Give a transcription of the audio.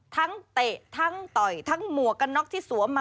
เตะทั้งต่อยทั้งหมวกกันน็อกที่สวมมา